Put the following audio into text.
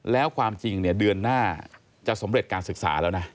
แล้วความจริงเนี่ยเดือนหน้าจะสำเร็จการศึกษาแล้วนะ